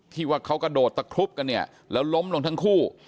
ที่ว่าเขากระโดดตะครุบกันเนี่ยแล้วล้มลงทั้งคู่